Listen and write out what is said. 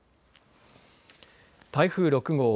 台風６号。